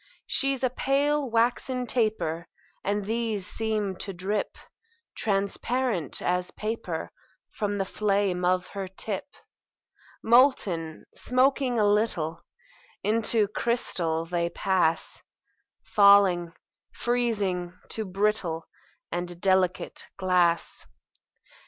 She's a pale, waxen taper; And these seem to drip Transparent as paper From the flame of her tip. Molten, smoking a little, Into crystal they pass; Falling, freezing, to brittle And delicate glass.